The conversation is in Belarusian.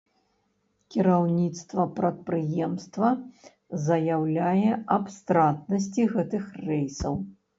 Кіраўніцтва прадпрыемства заяўляе аб стратнасці гэтых рэйсаў.